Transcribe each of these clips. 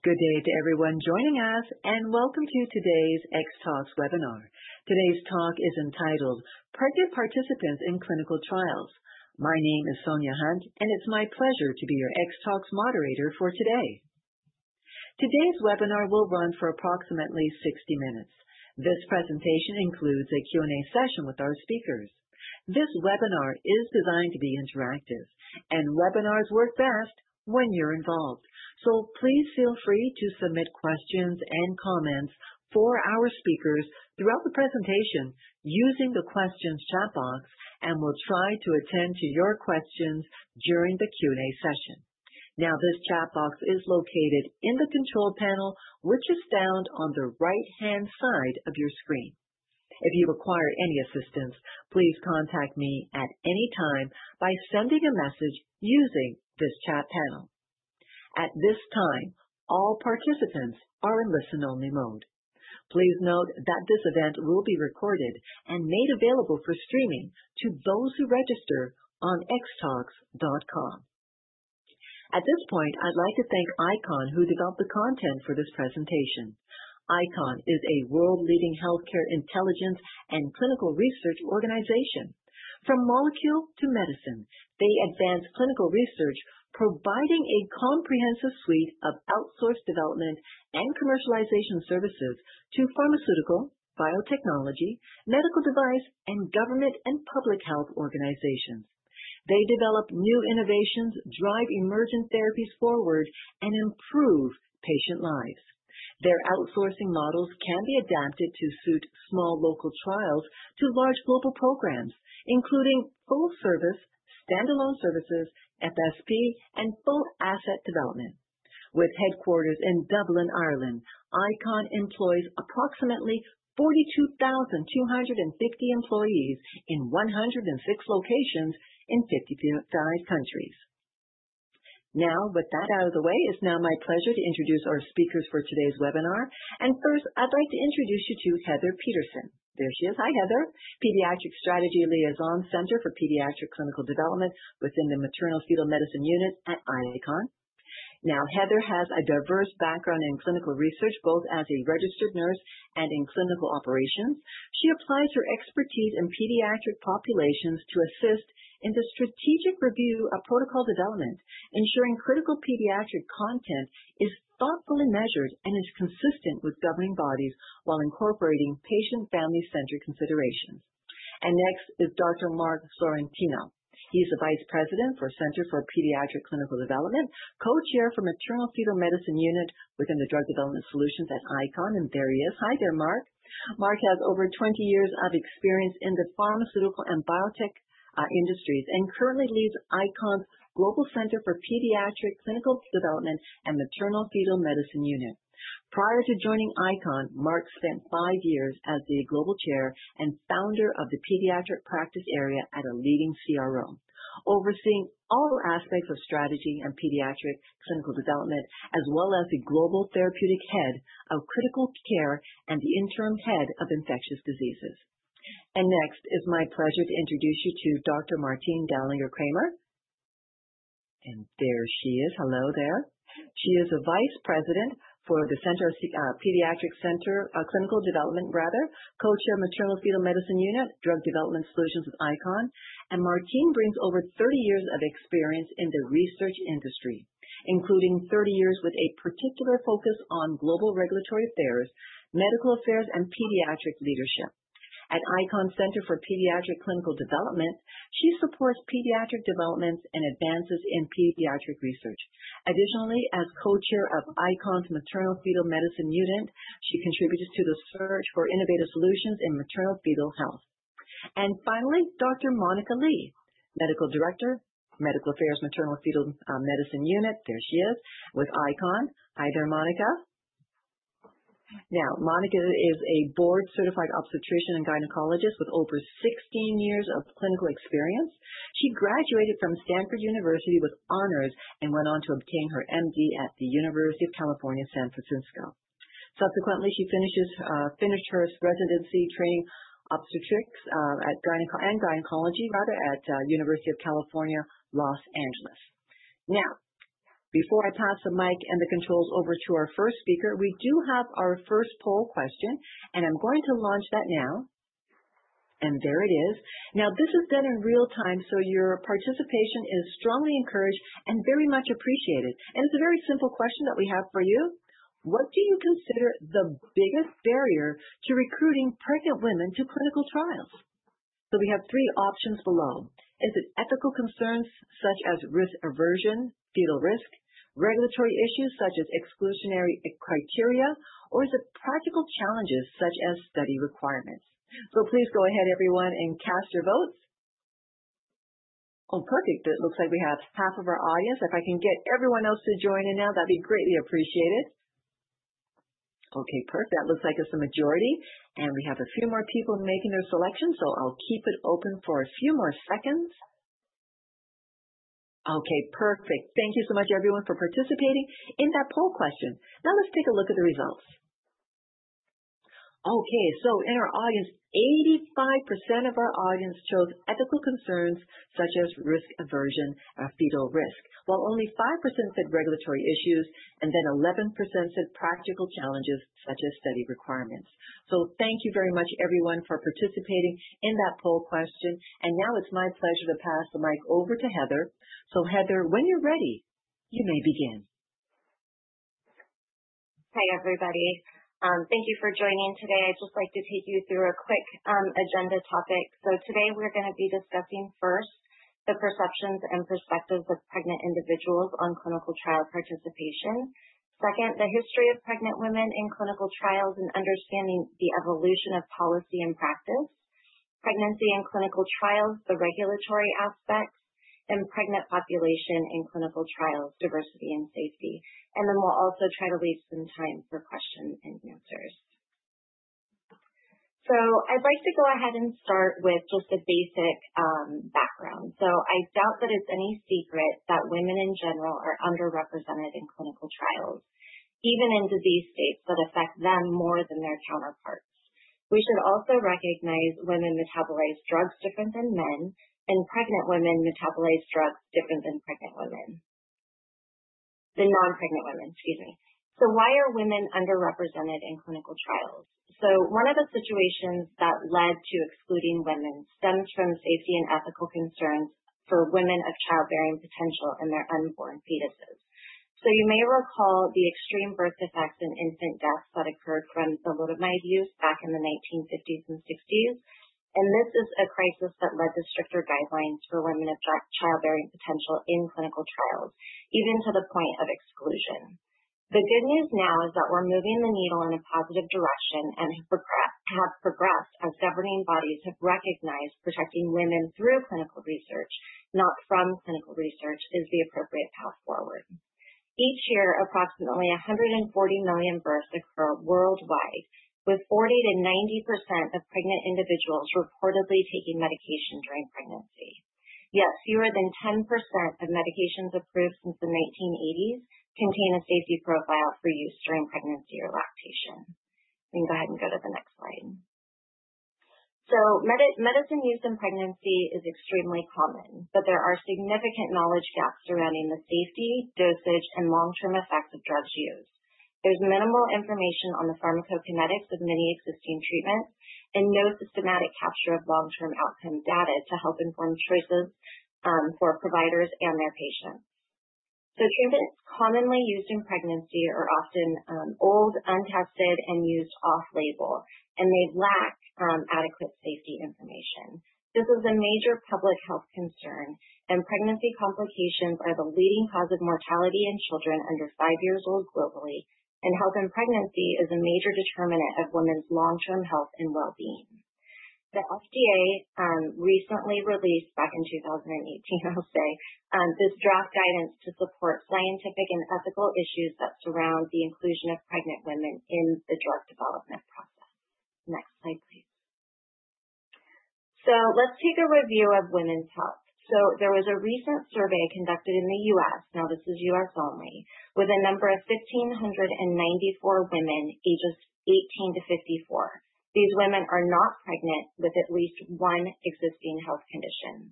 Good day to everyone joining us, and welcome to today's Xtalks webinar. Today's talk is entitled "Pregnant Participants in Clinical Trials." My name is Sonya Hunt, and it's my pleasure to be your Xtalks moderator for today. Today's webinar will run for approximately 60 minutes. This presentation includes a Q&A session with our speakers. This webinar is designed to be interactive, and webinars work best when you're involved. So please feel free to submit questions and comments for our speakers throughout the presentation using the questions chat box, and we'll try to attend to your questions during the Q&A session. Now, this chat box is located in the control panel, which is found on the right-hand side of your screen. If you require any assistance, please contact me at any time by sending a message using this chat panel. At this time, all participants are in listen-only mode. Please note that this event will be recorded and made available for streaming to those who register on xtalks.com. At this point, I'd like to thank ICON, who developed the content for this presentation. ICON is a world-leading healthcare intelligence and clinical research organization. From molecule to medicine, they advance clinical research, providing a comprehensive suite of outsourced development and commercialization services to pharmaceutical, biotechnology, medical device, and government and public health organizations. They develop new innovations, drive emergent therapies forward, and improve patient lives. Their outsourcing models can be adapted to suit small local trials to large global programs, including full-service, standalone services, FSP, and full-asset development. With headquarters in Dublin, Ireland, ICON employs approximately 42,250 employees in 106 locations in 55 countries. Now, with that out of the way, it's now my pleasure to introduce our speakers for today's webinar. First, I'd like to introduce you to Heather Peterson. There she is. Hi, Heather. Pediatric Strategy Liaison, Center for Pediatric Clinical Development within the Maternal Fetal Medicine Unit at ICON. Now, Heather has a diverse background in clinical research, both as a registered nurse and in clinical operations. She applies her expertise in pediatric populations to assist in the strategic review of protocol development, ensuring critical pediatric content is thoughtfully measured and is consistent with governing bodies while incorporating patient-family-centered considerations. Next is Dr. Mark Sorrentino. He's the Vice President for Center for Pediatric Clinical Development, Co-Chair for Maternal Fetal Medicine Unit within the Drug Development Solutions at ICON, and there he is. Hi there, Mark. Mark has over 20 years of experience in the pharmaceutical and biotech industries and currently leads ICON's Global Center for Pediatric Clinical Development and Maternal Fetal Medicine Unit. Prior to joining ICON, Mark spent five years as the Global Chair and Founder of the Pediatric Practice Area at a leading CRO, overseeing all aspects of Strategy and Pediatric Clinical Development, as well as the Global Therapeutic Head of Critical Care and the Interim Head of Infectious Diseases. Next is my pleasure to introduce you to Dr. Martine Dehlinger-Kremer. There she is. Hello there. She is the Vice President for the Pediatric Clinical Development, rather, Co-Chair of Maternal Fetal Medicine Unit, Drug Development Solutions with ICON. Martine brings over 30 years of experience in the research industry, including 30 years with a particular focus on global regulatory affairs, medical affairs, and pediatric leadership. At ICON's Center for Pediatric Clinical Development, she supports pediatric developments and advances in pediatric research. Additionally, as Co-Chair of ICON's Maternal Fetal Medicine Unit, she contributes to the search for innovative solutions in maternal fetal health, and finally, Dr. Monica Lee, Medical Director, Medical Affairs, Maternal Fetal Medicine Unit. There she is with ICON. Hi there, Monica. Now, Monica is a board-certified obstetrician and gynecologist with over 16 years of clinical experience. She graduated from Stanford University with honors and went on to obtain her MD at the University of California, San Francisco. Subsequently, she finished her residency training obstetrics and gynecology, rather, at the University of California, Los Angeles. Now, before I pass the mic and the controls over to our first speaker, we do have our first poll question, and I'm going to launch that now, and there it is. Now, this is done in real time, so your participation is strongly encouraged and very much appreciated. It's a very simple question that we have for you. What do you consider the biggest barrier to recruiting pregnant women to clinical trials? We have three options below. Is it ethical concerns such as risk aversion, fetal risk, regulatory issues such as exclusionary criteria, or is it practical challenges such as study requirements? Please go ahead, everyone, and cast your votes. Oh, perfect. It looks like we have half of our audience. If I can get everyone else to join in now, that'd be greatly appreciated. Okay, perfect. That looks like it's the majority. And we have a few more people making their selection, so I'll keep it open for a few more seconds. Okay, perfect. Thank you so much, everyone, for participating in that poll question. Now, let's take a look at the results. Okay, so in our audience, 85% of our audience chose ethical concerns such as risk aversion or fetal risk, while only 5% said regulatory issues, and then 11% said practical challenges such as study requirements. So thank you very much, everyone, for participating in that poll question. And now it's my pleasure to pass the mic over to Heather. So Heather, when you're ready, you may begin. Hi, everybody. Thank you for joining today. I'd just like to take you through a quick agenda topic. So today we're going to be discussing first the perceptions and perspectives of pregnant individuals on clinical trial participation. Second, the history of pregnant women in clinical trials and understanding the evolution of policy and practice, pregnancy and clinical trials, the regulatory aspects, and pregnant population in clinical trials, diversity and safety. And then we'll also try to leave some time for questions and answers. So I'd like to go ahead and start with just a basic background. So I doubt that it's any secret that women in general are underrepresented in clinical trials, even in disease states that affect them more than their counterparts. We should also recognize women metabolize drugs different than men, and pregnant women metabolize drugs different than non-pregnant women, excuse me. Why are women underrepresented in clinical trials? One of the situations that led to excluding women stems from safety and ethical concerns for women of childbearing potential and their unborn fetuses. You may recall the extreme birth defects and infant deaths that occurred from the thalidomide use back in the 1950s and 1960s. This is a crisis that led to stricter guidelines for women of childbearing potential in clinical trials, even to the point of exclusion. The good news now is that we're moving the needle in a positive direction and have progressed as governing bodies have recognized protecting women through clinical research, not from clinical research, is the appropriate path forward. Each year, approximately 140 million births occur worldwide, with 40%-90% of pregnant individuals reportedly taking medication during pregnancy. Yet fewer than 10% of medications approved since the 1980s contain a safety profile for use during pregnancy or lactation. We can go ahead and go to the next slide. So medicine used in pregnancy is extremely common, but there are significant knowledge gaps surrounding the safety, dosage, and long-term effects of drugs used. There's minimal information on the pharmacokinetics of many existing treatments and no systematic capture of long-term outcome data to help inform choices for providers and their patients. So treatments commonly used in pregnancy are often old, untested, and used off-label, and they lack adequate safety information. This is a major public health concern, and pregnancy complications are the leading cause of mortality in children under five years old globally, and health in pregnancy is a major determinant of women's long-term health and well-being. The FDA recently released, back in 2018, I'll say, this draft guidance to support scientific and ethical issues that surround the inclusion of pregnant women in the drug development process. Next slide, please, so let's take a review of women's health, so there was a recent survey conducted in the U.S., now this is U.S. only, with a number of 1,594 women ages 18-54. These women are not pregnant with at least one existing health condition.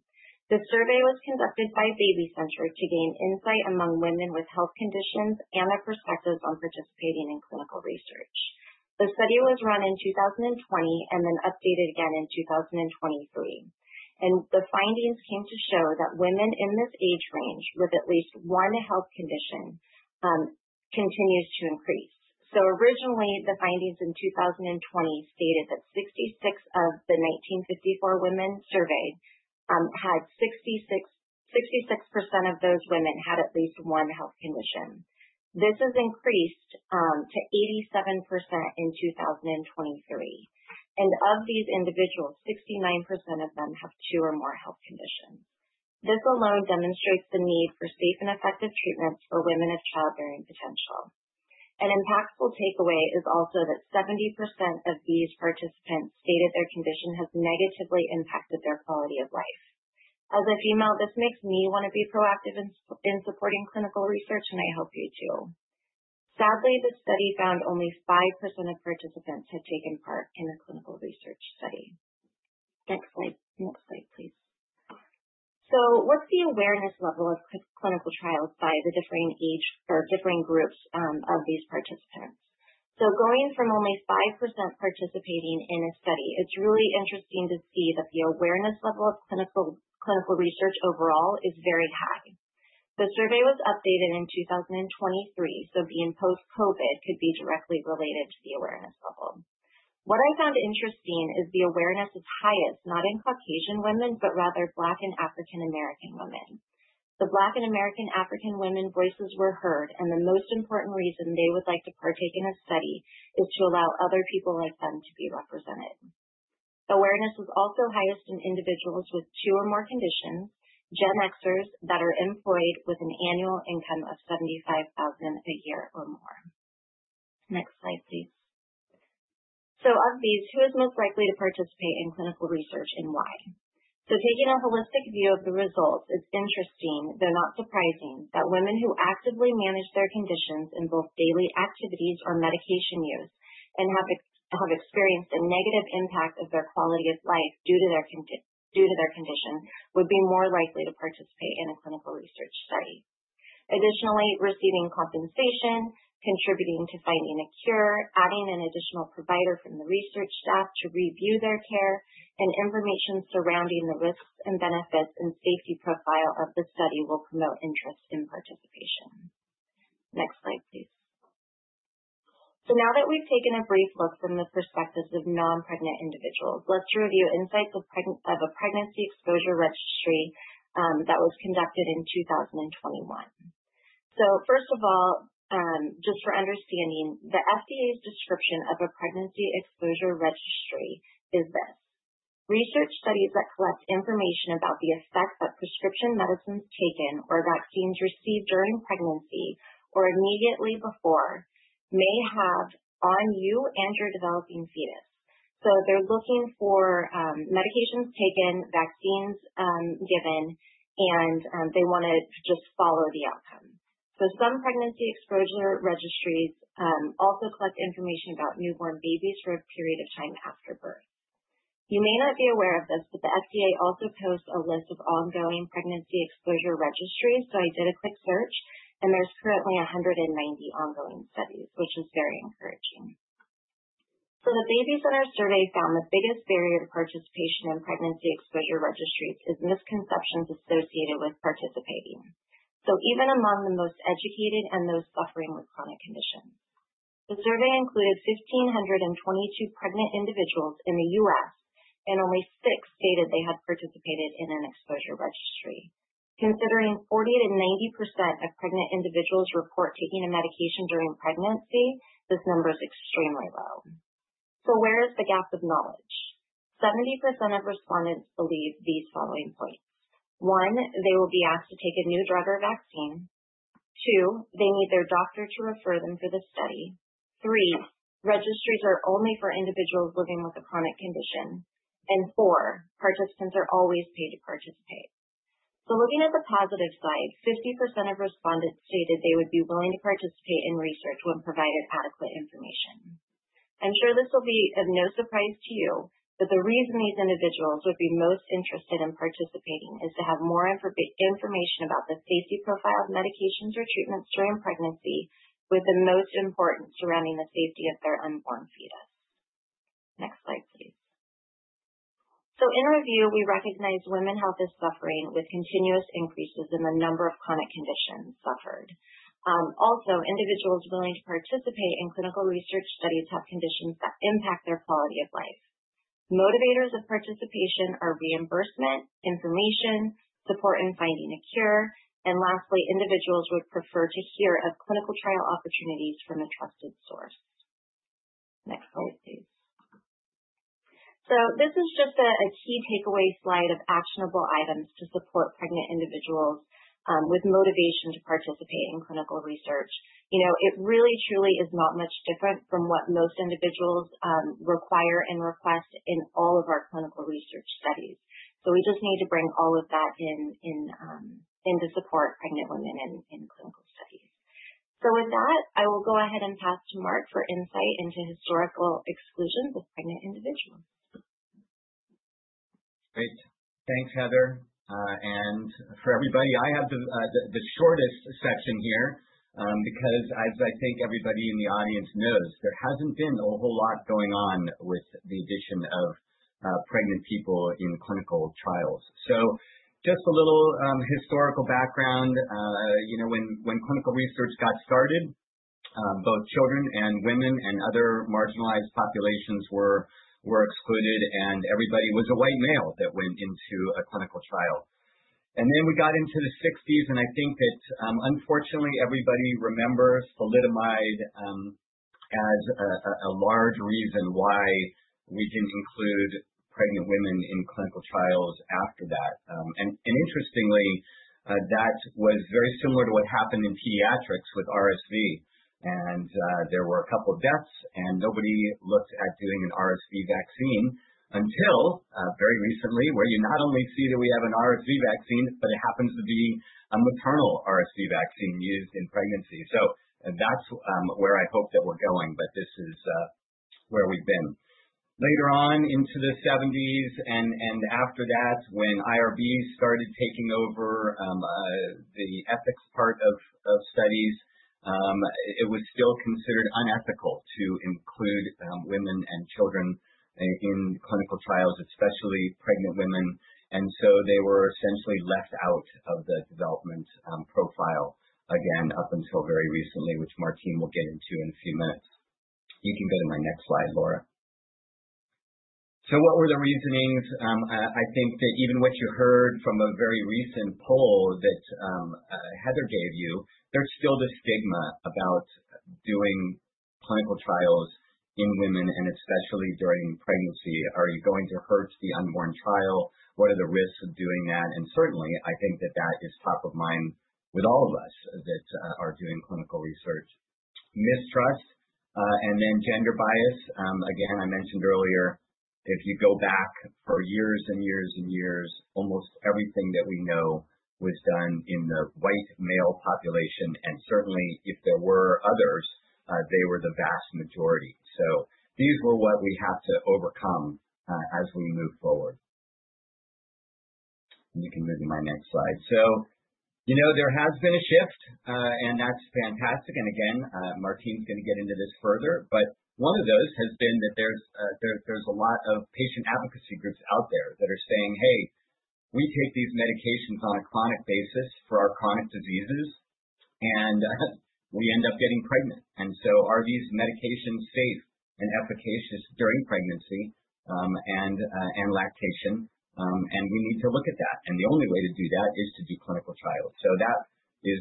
The survey was conducted by BabyCenter to gain insight among women with health conditions and their perspectives on participating in clinical research. The study was run in 2020 and then updated again in 2023, and the findings came to show that women in this age range with at least one health condition continues to increase. Originally, the findings in 2020 stated that 66% of the 1,954 women surveyed had at least one health condition. This has increased to 87% in 2023, and of these individuals, 69% of them have two or more health conditions. This alone demonstrates the need for safe and effective treatments for women of childbearing potential. An impactful takeaway is also that 70% of these participants stated their condition has negatively impacted their quality of life. As a female, this makes me want to be proactive in supporting clinical research, and I hope you too. Sadly, the study found only 5% of participants had taken part in the clinical research study. Next slide, please. What's the awareness level of clinical trials by the differing age or differing groups of these participants? So going from only 5% participating in a study, it's really interesting to see that the awareness level of clinical research overall is very high. The survey was updated in 2023, so being post-COVID could be directly related to the awareness level. What I found interesting is the awareness is highest, not in Caucasian women, but rather Black and African-American women. The Black and American-African women voices were heard, and the most important reason they would like to partake in a study is to allow other people like them to be represented. Awareness is also highest in individuals with two or more conditions, Gen Xers that are employed with an annual income of $75,000 a year or more. Next slide, please. So of these, who is most likely to participate in clinical research and why? Taking a holistic view of the results, it's interesting, though not surprising, that women who actively manage their conditions in both daily activities or medication use and have experienced a negative impact of their quality of life due to their condition would be more likely to participate in a clinical research study. Additionally, receiving compensation, contributing to finding a cure, adding an additional provider from the research staff to review their care, and information surrounding the risks and benefits and safety profile of the study will promote interest in participation. Next slide, please. Now that we've taken a brief look from the perspectives of non-pregnant individuals, let's review insights of a pregnancy exposure registry that was conducted in 2021. First of all, just for understanding, the FDA's description of a pregnancy exposure registry is this: Research studies that collect information about the effect that prescription medicines taken or vaccines received during pregnancy or immediately before may have on you and your developing fetus. So they're looking for medications taken, vaccines given, and they want to just follow the outcome. So some pregnancy exposure registries also collect information about newborn babies for a period of time after birth. You may not be aware of this, but the FDA also posts a list of ongoing pregnancy exposure registries. So I did a quick search, and there's currently 190 ongoing studies, which is very encouraging. So the ladies in our survey found the biggest barrier to participation in pregnancy exposure registries is misconceptions associated with participating. Even among the most educated and those suffering with chronic conditions, the survey included 1,522 pregnant individuals in the U.S., and only six stated they had participated in an exposure registry. Considering 40%-90% of pregnant individuals report taking a medication during pregnancy, this number is extremely low. So where is the gap of knowledge? 70% of respondents believe these following points: One, they will be asked to take a new drug or vaccine. Two, they need their doctor to refer them for the study. Three, registries are only for individuals living with a chronic condition. And four, participants are always paid to participate. So looking at the positive side, 50% of respondents stated they would be willing to participate in research when provided adequate information. I'm sure this will be of no surprise to you, but the reason these individuals would be most interested in participating is to have more information about the safety profile of medications or treatments during pregnancy with the most importance surrounding the safety of their unborn fetus. Next slide, please. So in review, we recognize women's health is suffering with continuous increases in the number of chronic conditions suffered. Also, individuals willing to participate in clinical research studies have conditions that impact their quality of life. Motivators of participation are reimbursement, information, support in finding a cure, and lastly, individuals would prefer to hear of clinical trial opportunities from a trusted source. Next slide, please. So this is just a key takeaway slide of actionable items to support pregnant individuals with motivation to participate in clinical research. You know, it really, truly is not much different from what most individuals require and request in all of our clinical research studies. So we just need to bring all of that into support of pregnant women in clinical studies. So with that, I will go ahead and pass to Mark for insight into historical exclusions of pregnant individuals. Great. Thanks, Heather. And for everybody, I have the shortest section here because, as I think everybody in the audience knows, there hasn't been a whole lot going on with the addition of pregnant people in clinical trials. So just a little historical background. You know, when clinical research got started, both children and women and other marginalized populations were excluded, and everybody was a white male that went into a clinical trial. And then we got into the 1960s, and I think that, unfortunately, everybody remembers thalidomide as a large reason why we didn't include pregnant women in clinical trials after that. And interestingly, that was very similar to what happened in pediatrics with RSV. And there were a couple of deaths, and nobody looked at doing an RSV vaccine until very recently, where you not only see that we have an RSV vaccine, but it happens to be a maternal RSV vaccine used in pregnancy. So that's where I hope that we're going, but this is where we've been. Later on into the 1970s and after that, when IRB started taking over the ethics part of studies, it was still considered unethical to include women and children in clinical trials, especially pregnant women. And so they were essentially left out of the development profile again up until very recently, which Martine will get into in a few minutes. You can go to my next slide, [Laura]. So what were the reasonings? I think that even what you heard from a very recent poll that Heather gave you, there's still the stigma about doing clinical trials in women, and especially during pregnancy. Are you going to hurt the unborn child? What are the risks of doing that? And certainly, I think that that is top of mind with all of us that are doing clinical research. Mistrust and then gender bias. Again, I mentioned earlier, if you go back for years and years and years, almost everything that we know was done in the white male population. And certainly, if there were others, they were the vast majority. So these were what we have to overcome as we move forward. You can move to my next slide. So, you know, there has been a shift, and that's fantastic. And again, Martine's going to get into this further, but one of those has been that there's a lot of patient advocacy groups out there that are saying, "Hey, we take these medications on a chronic basis for our chronic diseases, and we end up getting pregnant. And so are these medications safe and efficacious during pregnancy and lactation? And we need to look at that. And the only way to do that is to do clinical trials." So that is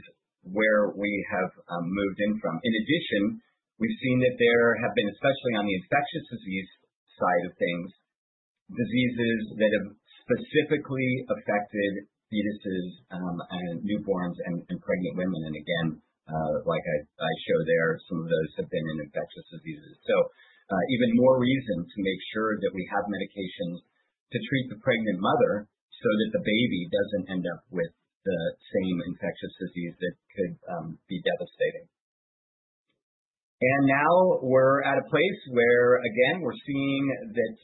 where we have moved in from. In addition, we've seen that there have been, especially on the infectious disease side of things, diseases that have specifically affected fetuses and newborns and pregnant women. And again, like I show there, some of those have been in infectious diseases. So even more reason to make sure that we have medications to treat the pregnant mother so that the baby doesn't end up with the same infectious disease that could be devastating. And now we're at a place where, again, we're seeing that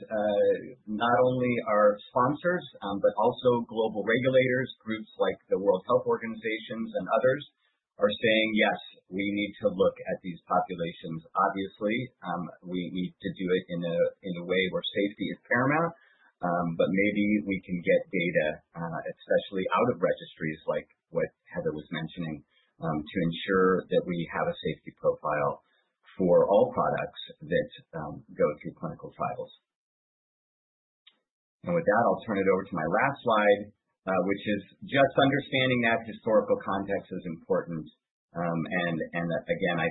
not only our sponsors, but also global regulators, groups like the World Health Organization and others are saying, "Yes, we need to look at these populations." Obviously, we need to do it in a way where safety is paramount, but maybe we can get data, especially out of registries like what Heather was mentioning, to ensure that we have a safety profile for all products that go through clinical trials. And with that, I'll turn it over to my last slide, which is just understanding that historical context is important. And again, I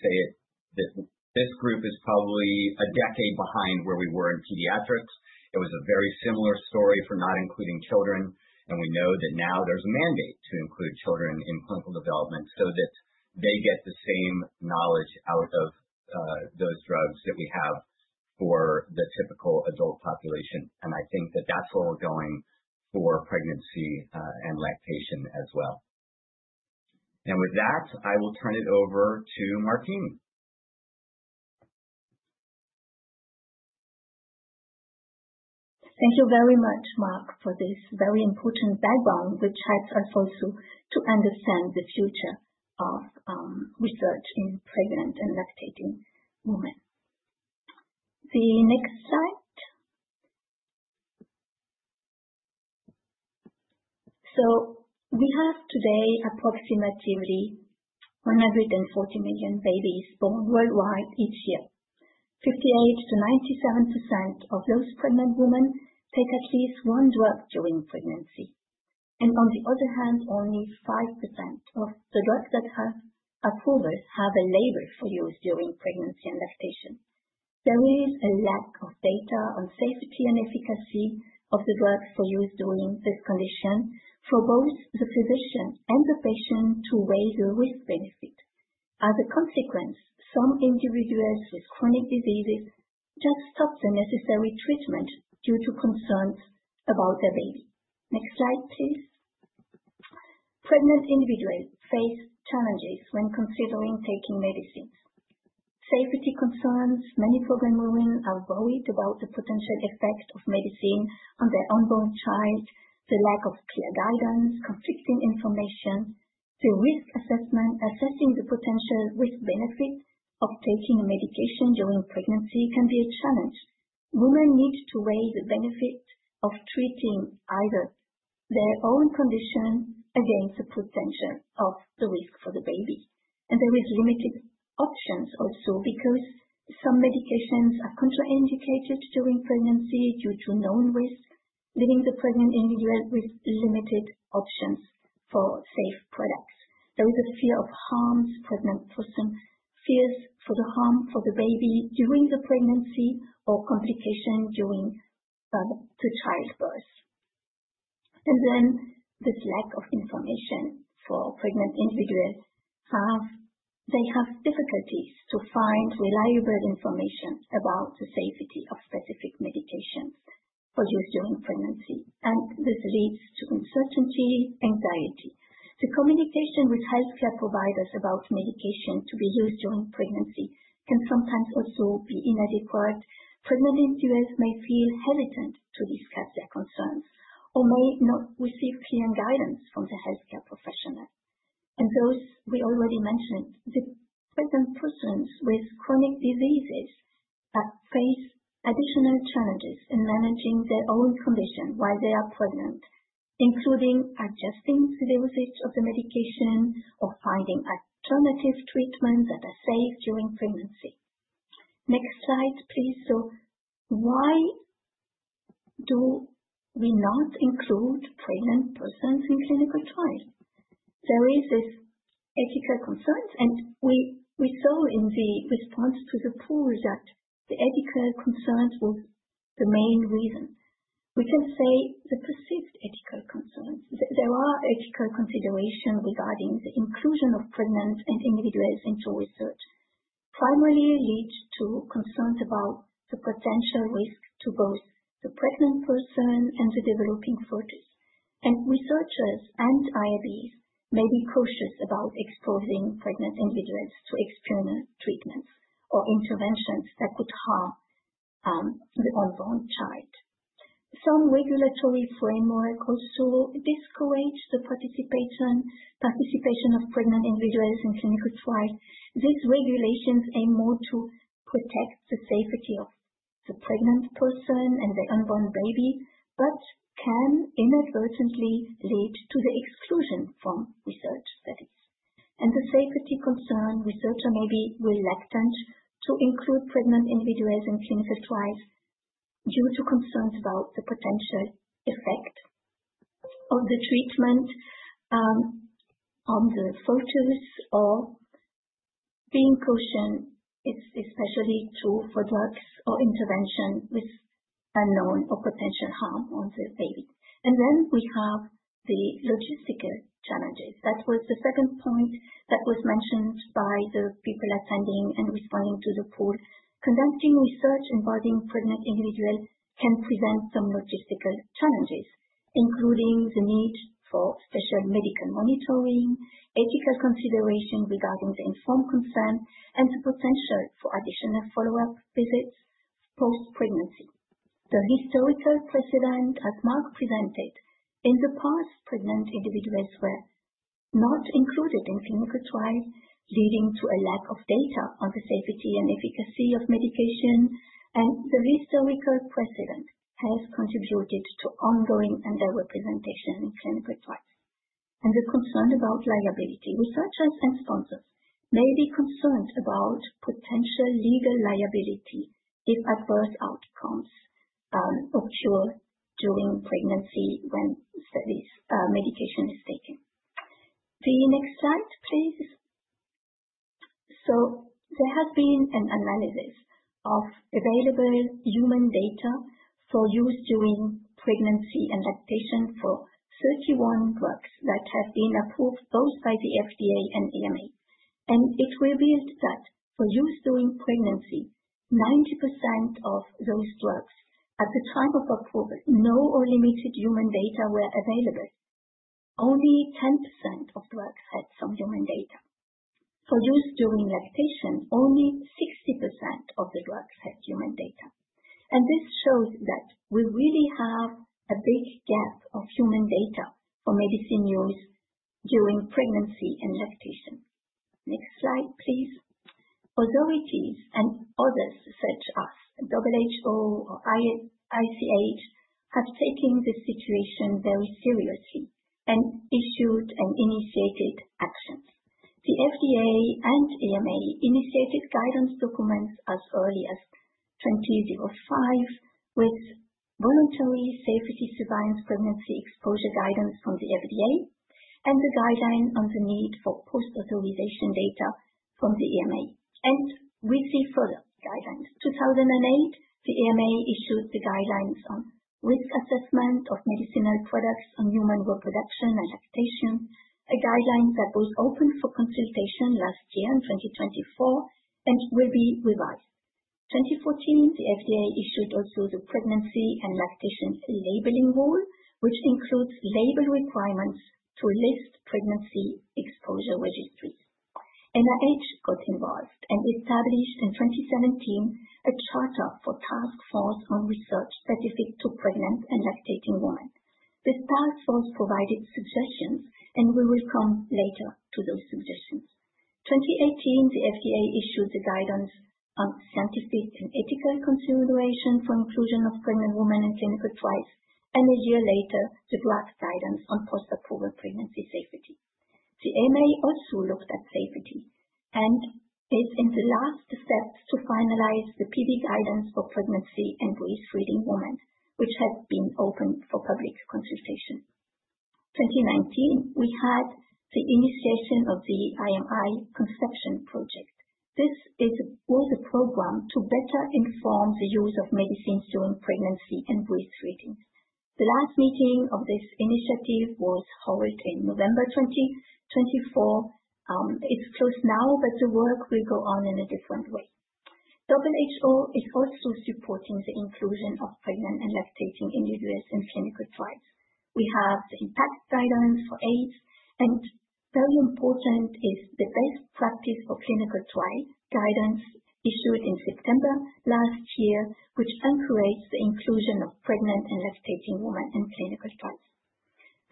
say it that this group is probably a decade behind where we were in pediatrics. It was a very similar story for not including children. And we know that now there's a mandate to include children in clinical development so that they get the same knowledge out of those drugs that we have for the typical adult population. And I think that that's where we're going for pregnancy and lactation as well. And with that, I will turn it over to Martine. Thank you very much, Mark, for this very important background, which helps us also to understand the future of research in pregnant and lactating women. The next slide. So we have today approximately 140 million babies born worldwide each year. 58%-97% of those pregnant women take at least one drug during pregnancy. And on the other hand, only 5% of the drugs that are approved have a label for use during pregnancy and lactation. There is a lack of data on safety and efficacy of the drugs for use during this condition for both the physician and the patient to weigh the risk-benefit. As a consequence, some individuals with chronic diseases just stop the necessary treatment due to concerns about their baby. Next slide, please. Pregnant individuals face challenges when considering taking medicines. Safety concerns. Many pregnant women are worried about the potential effect of medicine on their unborn child, the lack of clear guidance, conflicting information. The risk assessment, assessing the potential risk-benefit of taking a medication during pregnancy, can be a challenge. Women need to weigh the benefit of treating either their own condition against the potential of the risk for the baby. And there are limited options also because some medications are contraindicated during pregnancy due to known risks, leaving the pregnant individual with limited options for safe products. There is a fear of harms. Pregnant person fears for the harm for the baby during the pregnancy or complication during the childbirth. And then this lack of information for pregnant individuals. They have difficulties to find reliable information about the safety of specific medications for use during pregnancy. And this leads to uncertainty, anxiety. The communication with healthcare providers about medication to be used during pregnancy can sometimes also be inadequate. Pregnant individuals may feel hesitant to discuss their concerns or may not receive clear guidance from the healthcare professional. And those we already mentioned, the pregnant persons with chronic diseases face additional challenges in managing their own condition while they are pregnant, including adjusting to the usage of the medication or finding alternative treatments that are safe during pregnancy. Next slide, please. So why do we not include pregnant persons in clinical trials? There are these ethical concerns, and we saw in the response to the poll that the ethical concerns were the main reason. We can say the perceived ethical concerns. There are ethical considerations regarding the inclusion of pregnant individuals into research. Primarily, it leads to concerns about the potential risk to both the pregnant person and the developing fetus. Researchers and IRBs may be cautious about exposing pregnant individuals to experimental treatments or interventions that could harm the unborn child. Some regulatory framework also discourages the participation of pregnant individuals in clinical trials. These regulations aim more to protect the safety of the pregnant person and the unborn baby, but can inadvertently lead to the exclusion from research studies. The safety concern, researchers may be reluctant to include pregnant individuals in clinical trials due to concerns about the potential effect of the treatment on the fetus or being cautious, especially true for drugs or intervention with unknown or potential harm on the baby. We have the logistical challenges. That was the second point that was mentioned by the people attending and responding to the poll. Conducting research involving pregnant individuals can present some logistical challenges, including the need for special medical monitoring, ethical considerations regarding the informed consent, and the potential for additional follow-up visits post-pregnancy. The historical precedent, as Mark presented, in the past, pregnant individuals were not included in clinical trials, leading to a lack of data on the safety and efficacy of medication. And the historical precedent has contributed to ongoing underrepresentation in clinical trials. And the concern about liability. Researchers and sponsors may be concerned about potential legal liability if adverse outcomes occur during pregnancy when medication is taken. The next slide, please. So there has been an analysis of available human data for use during pregnancy and lactation for 31 drugs that have been approved both by the FDA and EMA. It revealed that for use during pregnancy, 90% of those drugs at the time of approval, no or limited human data were available. Only 10% of drugs had some human data. For use during lactation, only 60% of the drugs had human data. This shows that we really have a big gap of human data for medicine use during pregnancy and lactation. Next slide, please. Authorities and other s such as WHO or ICH have taken this situation very seriously and issued and initiated actions. The FDA and EMA initiated guidance documents as early as 2005 with voluntary safety surveillance pregnancy exposure guidance from the FDA and the guideline on the need for post-authorization data from the EMA. We see further guidelines. In 2008, the EMA issued the guidelines on risk assessment of medicinal products on human reproduction and lactation, a guideline that was open for consultation last year in 2024 and will be revised. In 2014, the FDA issued also the Pregnancy and Lactation Labeling Rule, which includes label requirements to list pregnancy exposure registries. NIH got involved and established in 2017 a charter for Task Force on Research Specific to Pregnant Women and Lactating Women. This task force provided suggestions, and we will come later to those suggestions. In 2018, the FDA issued the guidance on scientific and ethical considerations for inclusion of pregnant women in clinical trials, and a year later, the drug guidance on post-approval pregnancy safety. The EMA also looked at safety and is in the last step to finalize the PV guidance for pregnancy and breastfeeding women, which has been open for public consultation. In 2019, we had the initiation of the IMI ConcePTION project. This was a program to better inform the use of medicines during pregnancy and breastfeeding. The last meeting of this initiative was held in November 2024. It's closed now, but the work will go on in a different way. WHO is also supporting the inclusion of pregnant and lactating individuals in clinical trials. We have the impact guidance for AIDS, and very important is the best practice for clinical trial guidance issued in September last year, which encourages the inclusion of pregnant and lactating women in clinical trials.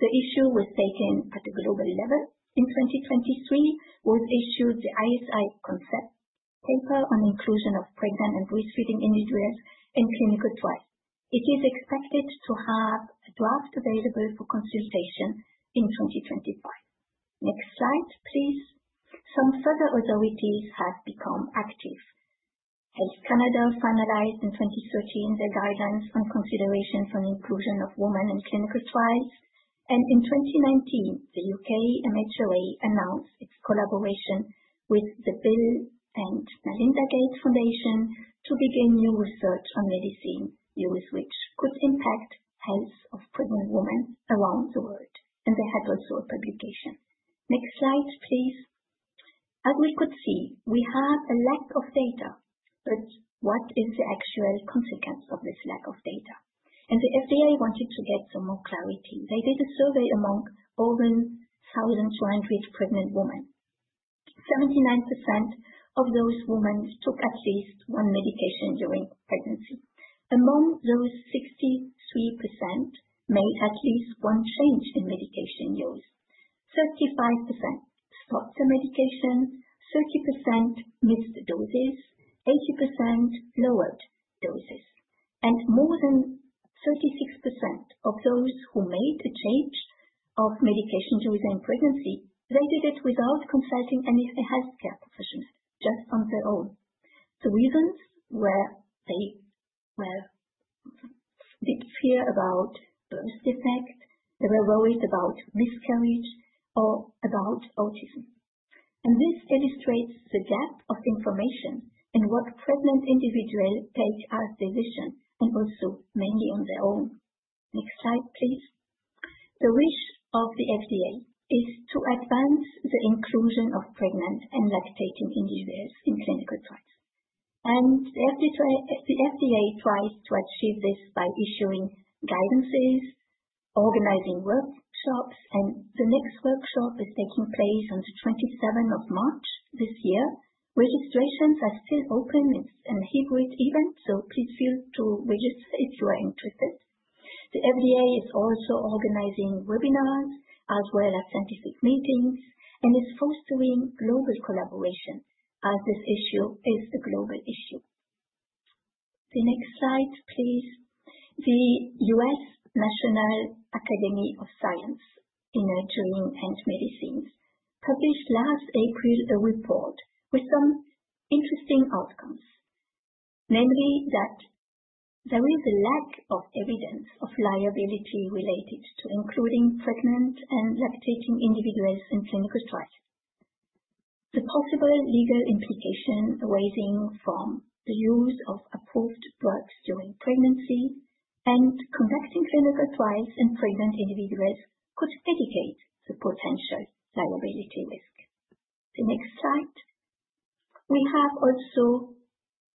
The issue was taken at a global level in 2023. It was issued the ICH Concept Paper on inclusion of pregnant and breastfeeding individuals in clinical trials. It is expected to have a draft available for consultation in 2025. Next slide, please. Some further authorities have become active. Health Canada finalized in 2013 the guidance on considerations on inclusion of women in clinical trials. In 2019, the U.K. MHRA announced its collaboration with the Bill & Melinda Gates Foundation to begin new research on medicine use which could impact the health of pregnant women around the world. They had also a publication. Next slide, please. As we could see, we have a lack of data, but what is the actual consequence of this lack of data? The FDA wanted to get some more clarity. They did a survey among over 1,200 pregnant women. 79% of those women took at least one medication during pregnancy. Among those 63%, made at least one change in medication use. 35% stopped the medication, 30% missed doses, 80% lowered doses. And more than 36% of those who made a change of medication use in pregnancy, they did it without consulting any healthcare professional, just on their own. The reasons were they were a bit feared about the birth defect. There were worries about miscarriage or about autism. And this illustrates the gap of information in what pregnant individuals take as decisions and also mainly on their own. Next slide, please. The wish of the FDA is to advance the inclusion of pregnant and lactating individuals in clinical trials. And the FDA tries to achieve this by issuing guidances, organizing workshops, and the next workshop is taking place on the 27th of March this year. Registrations are still open, it's a hybrid event, so please feel free to register if you are interested. The FDA is also organizing webinars as well as scientific meetings and is fostering global collaboration as this issue is a global issue. The next slide, please. The U.S. National Academy of Sciences in Nurturing and Medicines published last April a report with some interesting outcomes, namely that there is a lack of evidence of liability related to including pregnant and lactating individuals in clinical trials. The possible legal implications arising from the use of approved drugs during pregnancy and conducting clinical trials in pregnant individuals could predicate the potential liability risk. The next slide. We have also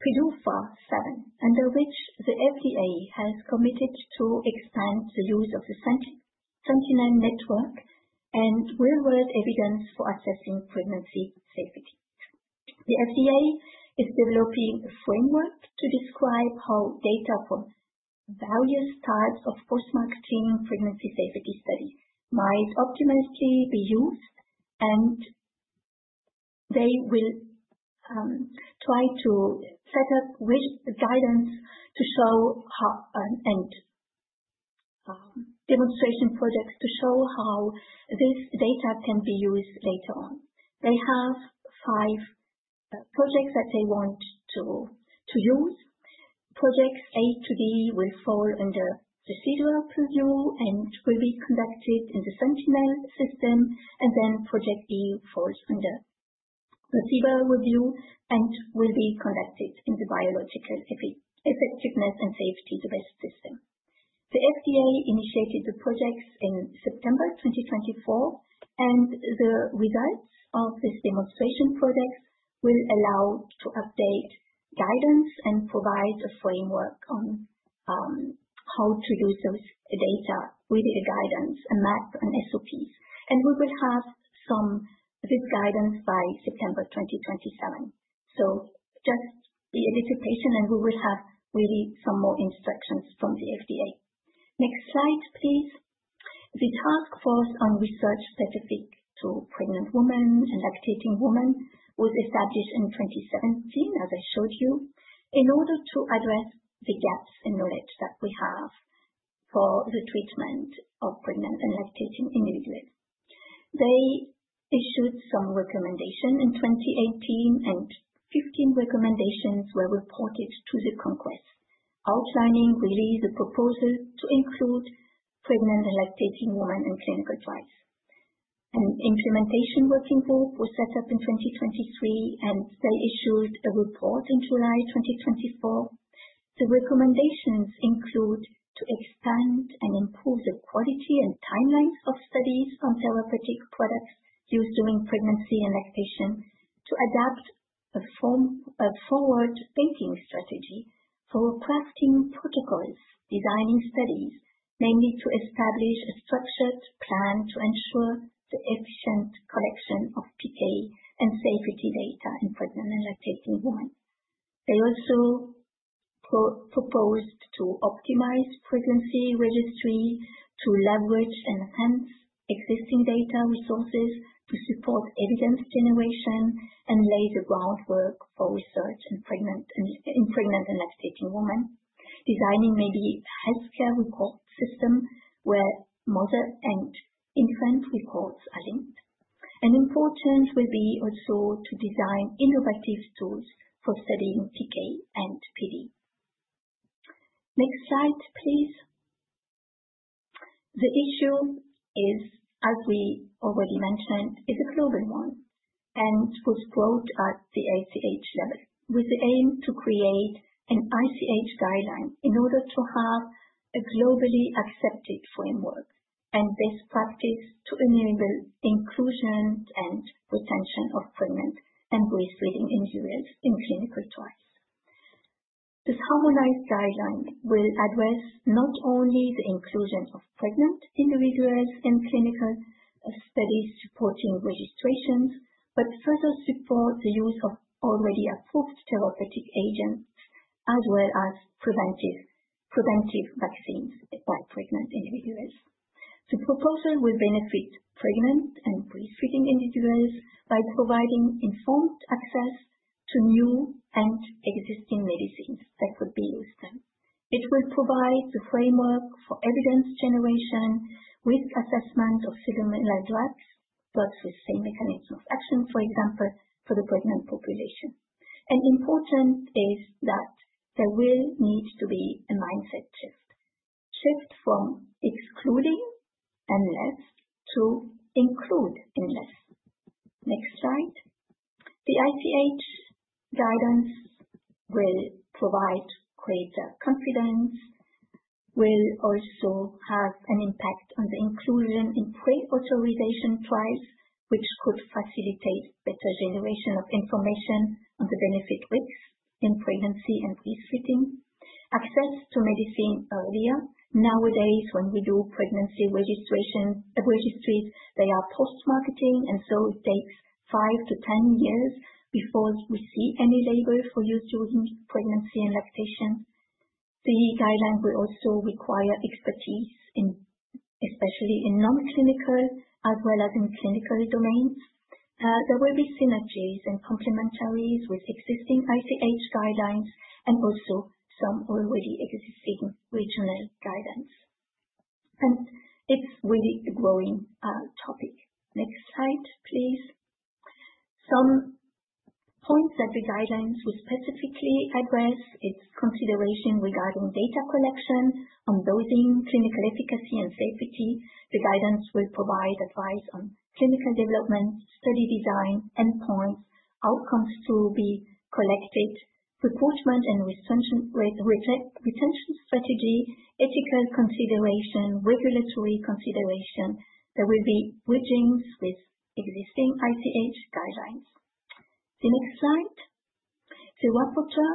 PDUFA VII, under which the FDA has committed to expand the use of the Sentinel Network and real-world evidence for assessing pregnancy safety. The FDA is developing a framework to describe how data from various types of post-marketing pregnancy safety studies might optimally be used, and they will try to set up guidance to show how, and demonstration projects to show how this data can be used later on. They have five projects that they want to use. Projects A to D will fall under regulatory purview and will be conducted in the Sentinel Network, and then Project E falls under BEST purview and will be conducted in the Biologics Effectiveness and Safety System. The FDA initiated the projects in September 2024, and the results of these demonstration projects will allow us to update guidance and provide a framework on how to use those data with a guidance, a map, and SOPs, and we will have some of this guidance by September 2027. So just be a little patient, and we will have really some more instructions from the FDA. Next slide, please. The task force on research specific to pregnant women and lactating women was established in 2017, as I showed you, in order to address the gaps in knowledge that we have for the treatment of pregnant and lactating individuals. They issued some recommendations in 2018, and 15 recommendations were reported to Congress, outlining really the proposal to include pregnant and lactating women in clinical trials. An implementation working group was set up in 2023, and they issued a report in July 2024. The recommendations include to expand and improve the quality and timelines of studies on therapeutic products used during pregnancy and lactation to adapt a forward-thinking strategy for crafting protocols, designing studies, namely to establish a structured plan to ensure the efficient collection of PK and safety data in pregnant and lactating women. They also proposed to optimize pregnancy registry to leverage and enhance existing data resources to support evidence generation and lay the groundwork for research in pregnant and lactating women, designing maybe a healthcare report system where mother and infant records are linked, and important will be also to design innovative tools for studying PK and PD. Next slide, please. The issue, as we already mentioned, is a global one and was brought at the ICH level with the aim to create an ICH guideline in order to have a globally accepted framework and best practice to enable inclusion and retention of pregnant and breastfeeding individuals in clinical trials. This harmonized guideline will address not only the inclusion of pregnant individuals in clinical studies supporting registrations, but further support the use of already approved therapeutic agents as well as preventive vaccines by pregnant individuals. The proposal will benefit pregnant and breastfeeding individuals by providing informed access to new and existing medicines that could be used then. It will provide the framework for evidence generation, risk assessment of similar drugs, drugs with the same mechanism of action, for example, for the pregnant population. And important is that there will need to be a mindset shift from excluding unless to include unless. Next slide. The ICH guidance will provide greater confidence, will also have an impact on the inclusion in pre-authorization trials, which could facilitate better generation of information on the benefit-risk in pregnancy and breastfeeding, access to medicine earlier. Nowadays, when we do pregnancy registries, they are post-marketing, and so it takes five to 10 years before we see any label for use during pregnancy and lactation. The guideline will also require expertise, especially in non-clinical as well as in clinical domains. There will be synergies and complementarities with existing ICH guidelines and also some already existing regional guidance. And it's really a growing topic. Next slide, please. Some points that the guidelines will specifically address, it's considerations regarding data collection on dosing, clinical efficacy, and safety. The guidance will provide advice on clinical development, study design, end points, outcomes to be collected, recruitment and retention strategy, ethical consideration, regulatory consideration. There will be bridgings with existing ICH guidelines. The next slide. The rapporteur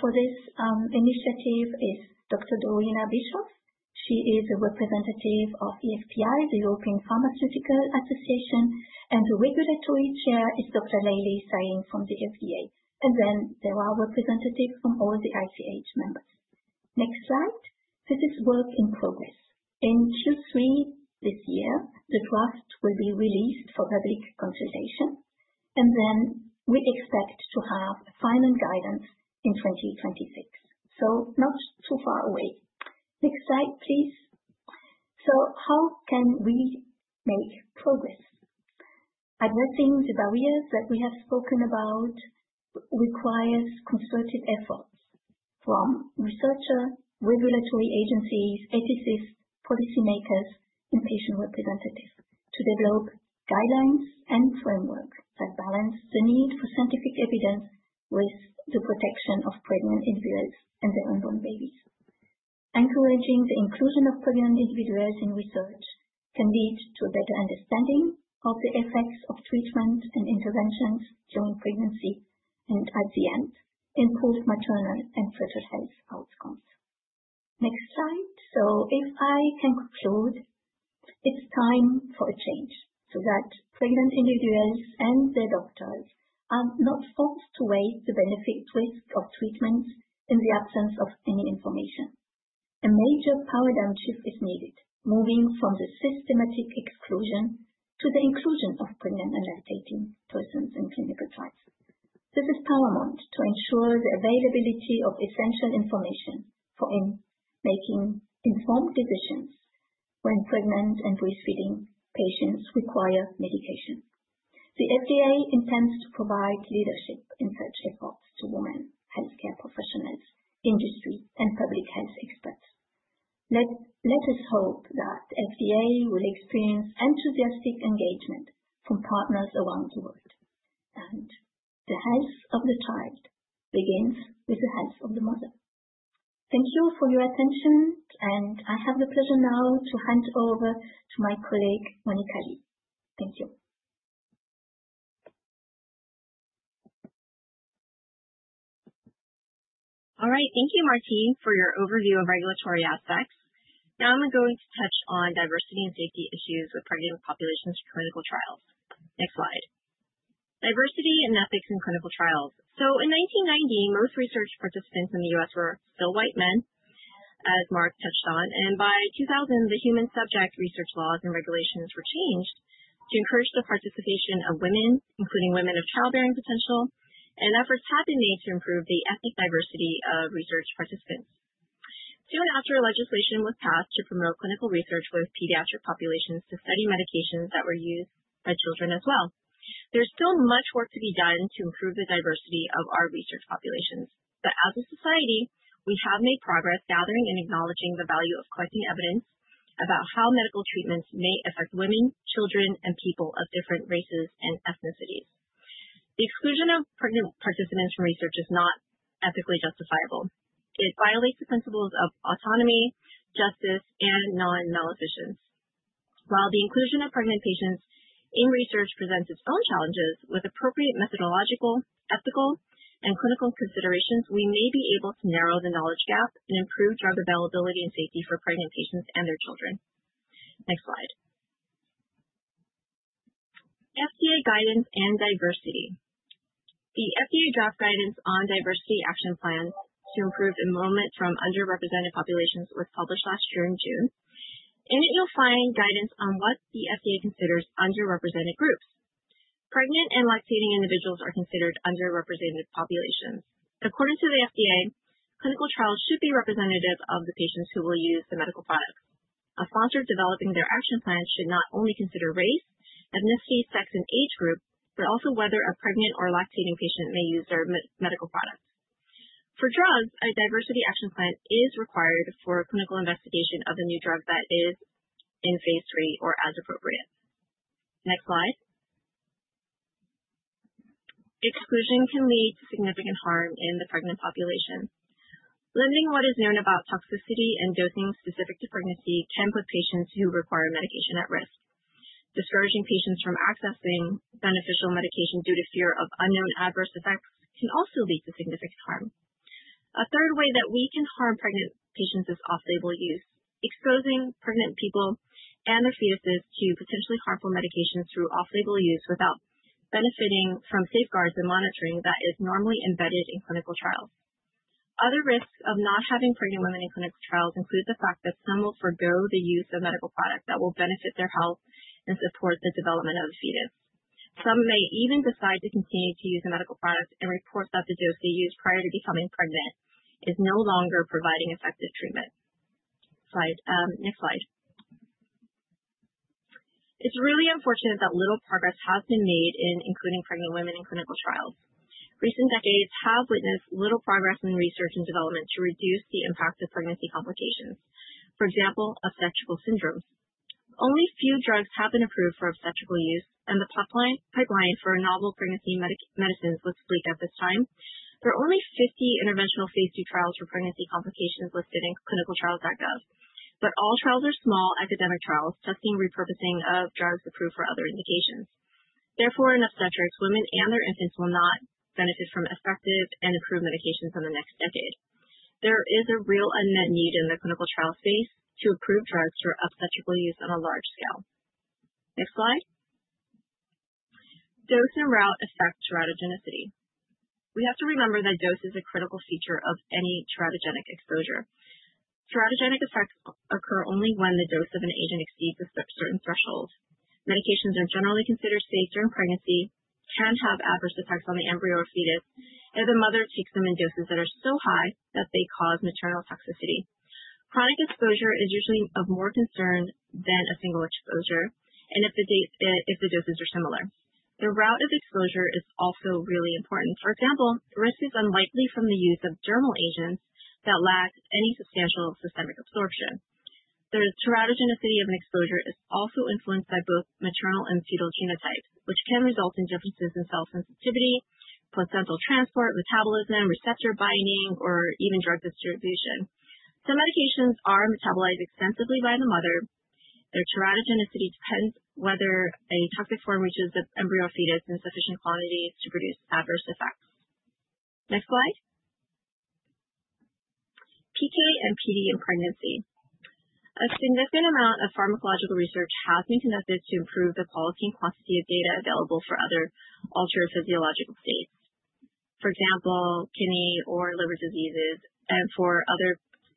for this initiative is Dr. Dorina Bischof. She is a representative of EFPIA, the European Federation of Pharmaceutical Industries and Associations, and the regulatory chair is Dr. Leyla Sahin from the FDA, and then there are representatives from all the ICH members. Next slide. This is work in progress. In Q3 this year, the draft will be released for public consultation, and then we expect to have a final guidance in 2026, so not too far away. Next slide, please, so how can we make progress? Addressing the barriers that we have spoken about requires concerted efforts from researchers, regulatory agencies, ethicists, policymakers, and patient representatives to develop guidelines and frameworks that balance the need for scientific evidence with the protection of pregnant individuals and their unborn babies. Encouraging the inclusion of pregnant individuals in research can lead to a better understanding of the effects of treatment and interventions during pregnancy and at the end, improved maternal and fetal health outcomes. Next slide. So if I can conclude, it's time for a change so that pregnant individuals and their doctors are not forced to weigh the benefit-risk of treatments in the absence of any information. A major paradigm shift is needed, moving from the systematic exclusion to the inclusion of pregnant and lactating persons in clinical trials. This is paramount to ensure the availability of essential information for making informed decisions when pregnant and breastfeeding patients require medication. The FDA intends to provide leadership in such efforts to women, healthcare professionals, industry, and public health experts. Let us hope that the FDA will experience enthusiastic engagement from partners around the world. And the health of the child begins with the health of the mother. Thank you for your attention, and I have the pleasure now to hand over to my colleague, Monica Lee. Thank you. All right. Thank you, Martine, for your overview of regulatory aspects. Now I'm going to touch on diversity and safety issues with pregnant populations for clinical trials. Next slide. Diversity and ethics in clinical trials. So in 1990, most research participants in the U.S. were still white men, as Mark touched on. By 2000, the human subject research laws and regulations were changed to encourage the participation of women, including women of childbearing potential, and efforts have been made to improve the ethnic diversity of research participants. Soon after legislation was passed to promote clinical research with pediatric populations to study medications that were used by children as well. There's still much work to be done to improve the diversity of our research populations. But as a society, we have made progress gathering and acknowledging the value of collecting evidence about how medical treatments may affect women, children, and people of different races and ethnicities. The exclusion of pregnant participants from research is not ethically justifiable. It violates the principles of autonomy, justice, and non-maleficence. While the inclusion of pregnant patients in research presents its own challenges with appropriate methodological, ethical, and clinical considerations, we may be able to narrow the knowledge gap and improve drug availability and safety for pregnant patients and their children. Next slide. FDA guidance and diversity. The FDA draft guidance on diversity action plans to improve enrollment from underrepresented populations was published last year, in June. In it, you'll find guidance on what the FDA considers underrepresented groups. Pregnant and lactating individuals are considered underrepresented populations. According to the FDA, clinical trials should be representative of the patients who will use the medical products. A sponsor developing their action plan should not only consider race, ethnicity, sex, and age group, but also whether a pregnant or lactating patient may use their medical products. For drugs, a Diversity Action Plan is required for clinical investigation of a new drug that is in phase III or as appropriate. Next slide. Exclusion can lead to significant harm in the pregnant population. Limiting what is known about toxicity and dosing specific to pregnancy can put patients who require medication at risk. Discouraging patients from accessing beneficial medication due to fear of unknown adverse effects can also lead to significant harm. A third way that we can harm pregnant patients is off-label use, exposing pregnant people and their fetuses to potentially harmful medications through off-label use without benefiting from safeguards and monitoring that is normally embedded in clinical trials. Other risks of not having pregnant women in clinical trials include the fact that some will forgo the use of medical products that will benefit their health and support the development of the fetus. Some may even decide to continue to use a medical product and report that the dose they used prior to becoming pregnant is no longer providing effective treatment. Next slide. It's really unfortunate that little progress has been made in including pregnant women in clinical trials. Recent decades have witnessed little progress in research and development to reduce the impact of pregnancy complications, for example, obstetrical syndromes. Only few drugs have been approved for obstetrical use, and the pipeline for novel pregnancy medicines looks bleak at this time. There are only 50 interventional phase II trials for pregnancy complications listed in ClinicalTrials.gov, but all trials are small academic trials testing repurposing of drugs approved for other indications. Therefore, in obstetrics, women and their infants will not benefit from effective and approved medications in the next decade. There is a real unmet need in the clinical trial space to approve drugs for obstetrical use on a large scale. Next slide. Dose and route affect teratogenicity. We have to remember that dose is a critical feature of any teratogenic exposure. Teratogenic effects occur only when the dose of an agent exceeds a certain threshold. Medications are generally considered safe during pregnancy. They can have adverse effects on the embryo or fetus if the mother takes them in doses that are so high that they cause maternal toxicity. Chronic exposure is usually of more concern than a single exposure, and if the doses are similar. The route of exposure is also really important. For example, risk is unlikely from the use of dermal agents that lack any substantial systemic absorption. The teratogenicity of an exposure is also influenced by both maternal and fetal genotypes, which can result in differences in cell sensitivity, placental transport, metabolism, receptor binding, or even drug distribution. Some medications are metabolized extensively by the mother. Their teratogenicity depends on whether a toxic form reaches the embryo or fetus in sufficient quantities to produce adverse effects. Next slide. PK and PD in pregnancy. A significant amount of pharmacological research has been conducted to improve the quality and quantity of data available for other altered physiological states, for example, kidney or liver diseases and for other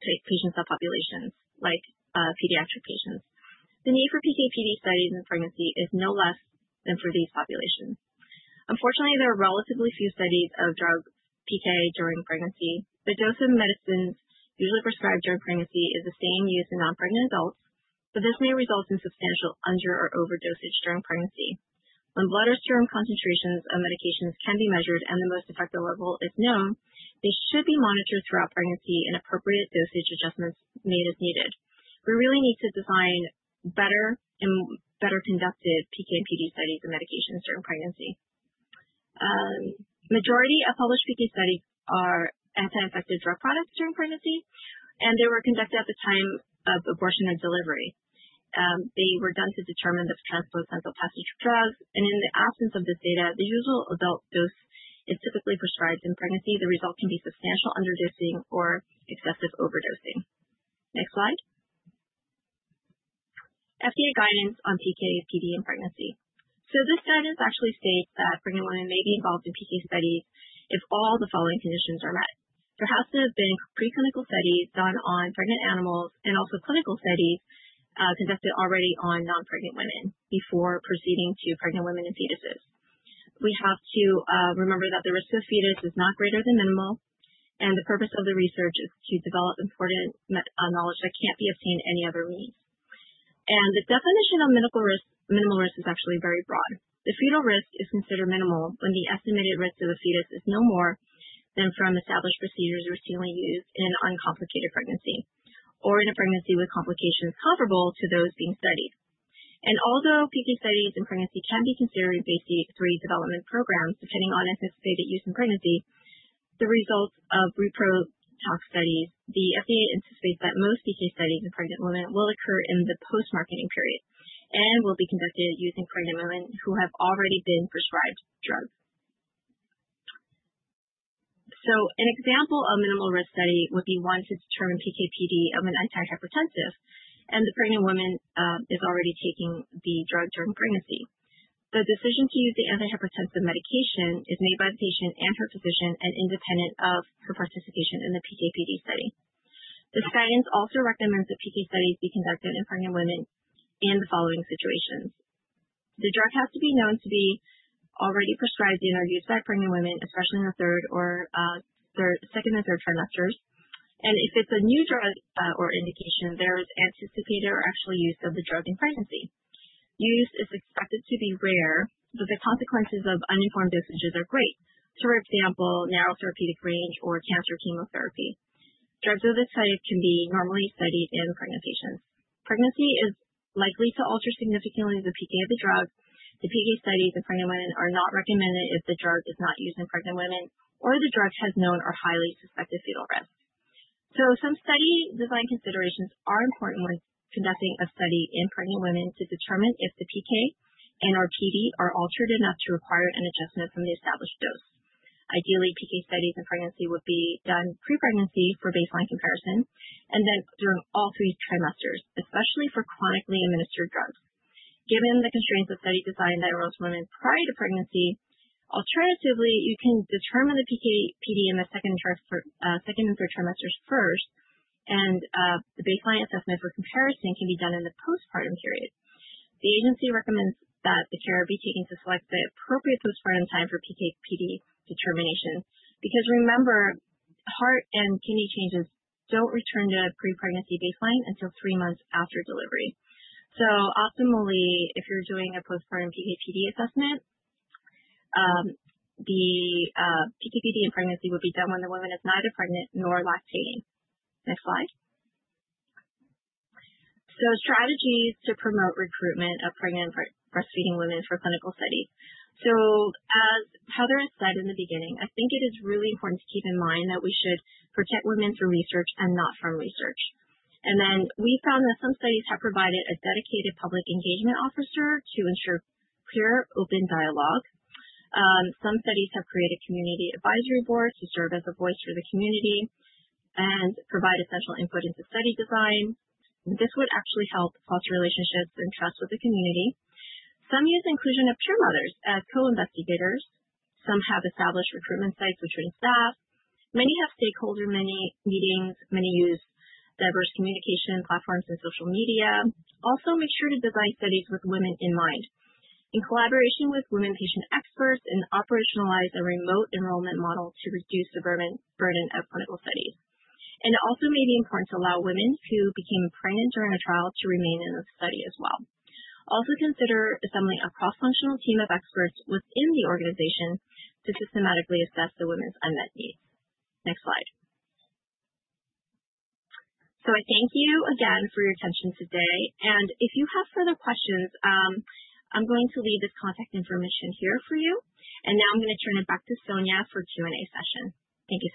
patient subpopulations like pediatric patients. The need for PK/PD studies in pregnancy is no less than for these populations. Unfortunately, there are relatively few studies of drug PK during pregnancy. The dose of medicines usually prescribed during pregnancy is the same used in non-pregnant adults, but this may result in substantial under or overdosage during pregnancy. When blood or serum concentrations of medications can be measured and the most effective level is known, they should be monitored throughout pregnancy and appropriate dosage adjustments made as needed. We really need to design better and better conducted PK and PD studies of medications during pregnancy. Majority of published PK studies are anti-infective drug products during pregnancy, and they were conducted at the time of abortion and delivery. They were done to determine the transplacental passage of drugs, and in the absence of this data, the usual adult dose is typically prescribed in pregnancy. The result can be substantial underdosing or excessive overdosing. Next slide. FDA guidance on PK/PD in pregnancy. So this guidance actually states that pregnant women may be involved in PK studies if all the following conditions are met. There has to have been preclinical studies done on pregnant animals and also clinical studies conducted already on non-pregnant women before proceeding to pregnant women and fetuses. We have to remember that the risk of fetus is not greater than minimal, and the purpose of the research is to develop important knowledge that can't be obtained any other means. And the definition of minimal risk is actually very broad. The fetal risk is considered minimal when the estimated risk of the fetus is no more than from established procedures routinely used in an uncomplicated pregnancy or in a pregnancy with complications comparable to those being studied. And although PK studies in pregnancy can be considered basically three development programs depending on anticipated use in pregnancy, the results of repro tox studies, the FDA anticipates that most PK studies in pregnant women will occur in the post-marketing period and will be conducted using pregnant women who have already been prescribed drugs. So an example of minimal risk study would be one to determine PK/PD of an antihypertensive, and the pregnant woman is already taking the drug during pregnancy. The decision to use the antihypertensive medication is made by the patient and her physician and independent of her participation in the PK/PD study. This guidance also recommends that PK studies be conducted in pregnant women in the following situations. The drug has to be known to be already prescribed and are used by pregnant women, especially in the third or second and third trimesters. If it's a new drug or indication, there is anticipated or actual use of the drug in pregnancy. Use is expected to be rare, but the consequences of uninformed dosages are great. For example, narrow therapeutic range or cancer chemotherapy. Drugs of this type can be normally studied in pregnant patients. Pregnancy is likely to alter significantly the PK of the drug. The PK studies in pregnant women are not recommended if the drug is not used in pregnant women or the drug has known or highly suspected fetal risk. Some study design considerations are important when conducting a study in pregnant women to determine if the PK and/or PD are altered enough to require an adjustment from the established dose. Ideally, PK studies in pregnancy would be done pre-pregnancy for baseline comparison and then during all three trimesters, especially for chronically administered drugs. Given the constraints of study design that enrolls women prior to pregnancy, alternatively, you can determine the PK/PD in the second and third trimesters first, and the baseline assessment for comparison can be done in the postpartum period. The agency recommends that the care be taken to select the appropriate postpartum time for PK/PD determination because, remember, heart and kidney changes don't return to pre-pregnancy baseline until three months after delivery. So optimally, if you're doing a postpartum PK/PD assessment, the PK/PD in pregnancy would be done when the woman is neither pregnant nor lactating. Next slide. So strategies to promote recruitment of pregnant and breastfeeding women for clinical studies. So as Heather said in the beginning, I think it is really important to keep in mind that we should protect women through research and not from research. And then we found that some studies have provided a dedicated public engagement officer to ensure clear, open dialogue. Some studies have created community advisory boards to serve as a voice for the community and provide essential input into study design. This would actually help foster relationships and trust with the community. Some use inclusion of peer mothers as co-investigators. Some have established recruitment sites with trained staff. Many have stakeholder meetings. Many use diverse communication platforms and social media. Also, make sure to design studies with women in mind, in collaboration with women patient experts and operationalize a remote enrollment model to reduce the burden of clinical studies. And it also may be important to allow women who became pregnant during a trial to remain in the study as well. Also consider assembling a cross-functional team of experts within the organization to systematically assess the women's unmet needs. Next slide. I thank you again for your attention today. If you have further questions, I'm going to leave this contact information here for you. Now I'm going to turn it back to Sonya for a Q&A session. Thank you,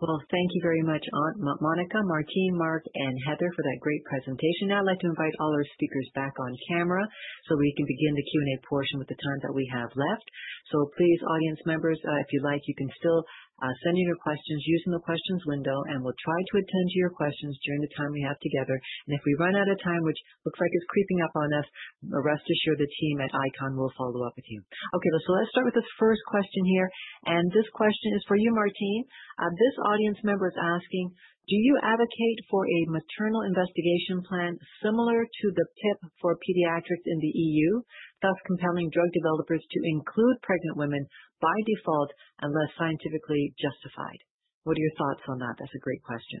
Sonya. Thank you very much, Monica, Martine, Mark, and Heather for that great presentation. Now I'd like to invite all our speakers back on camera so we can begin the Q&A portion with the time that we have left. Please, audience members, if you like, you can still send in your questions using the questions window, and we'll try to attend to your questions during the time we have together. If we run out of time, which looks like it's creeping up on us, rest assured the team at ICON will follow up with you. Okay, let's start with this first question here. This question is for you, Martine. This audience member is asking, "Do you advocate for a maternal investigation plan similar to the PIP for pediatrics in the EU, thus compelling drug developers to include pregnant women by default unless scientifically justified?" What are your thoughts on that? That's a great question.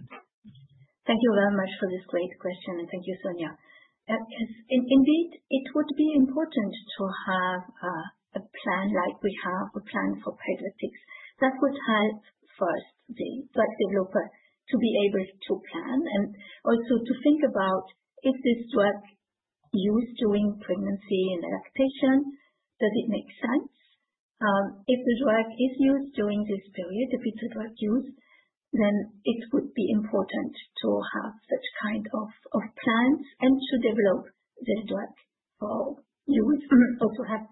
Thank you very much for this great question, and thank you, Sonya. Indeed, it would be important to have a plan like we have, a plan for pregnancy that would help first the drug developer to be able to plan and also to think about, is this drug used during pregnancy and lactation? Does it make sense? If the drug is used during this period, if it's a drug use, then it would be important to have such kind of plans and to develop the drug for use or to have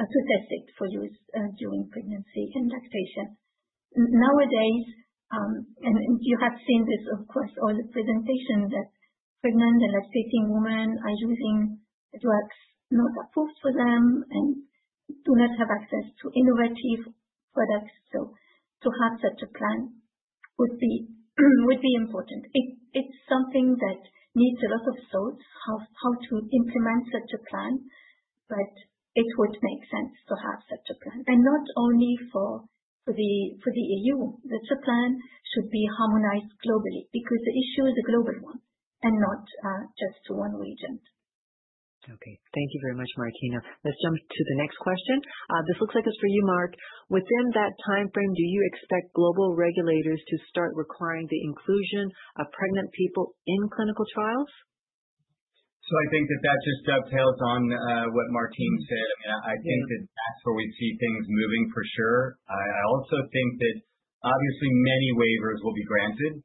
to test it for use during pregnancy and lactation. Nowadays, and you have seen this, of course, all the presentations that pregnant and lactating women are using drugs not approved for them and do not have access to innovative products. So to have such a plan would be important. It's something that needs a lot of thought, how to implement such a plan, but it would make sense to have such a plan, and not only for the EU, such a plan should be harmonized globally because the issue is a global one and not just to one region. Okay, thank you very much, Martine. Let's jump to the next question. This looks like it's for you, Mark. "Within that timeframe, do you expect global regulators to start requiring the inclusion of pregnant people in clinical trials?" So I think that that just dovetails on what Martine said. I mean, I think that that's where we see things moving for sure. I also think that obviously many waivers will be granted.